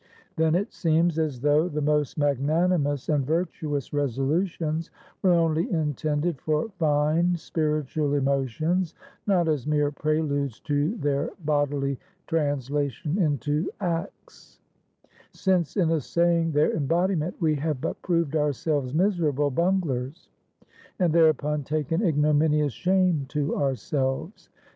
Then it seems as though the most magnanimous and virtuous resolutions were only intended for fine spiritual emotions, not as mere preludes to their bodily translation into acts; since in essaying their embodiment, we have but proved ourselves miserable bunglers, and thereupon taken ignominious shame to ourselves.